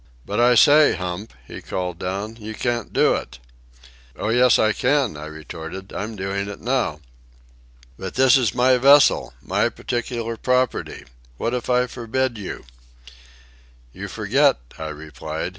"But I say, Hump," he called down. "You can't do it." "Oh, yes, I can," I retorted. "I'm doing it now." "But this is my vessel, my particular property. What if I forbid you?" "You forget," I replied.